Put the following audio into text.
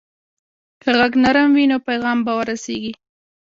که غږ نرم وي، نو پیغام به ورسیږي.